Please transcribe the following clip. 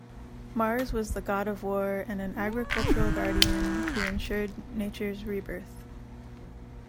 Mars was the god of war and an agricultural guardian, who ensured nature's rebirth.